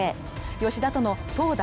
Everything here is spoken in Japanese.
吉田との投打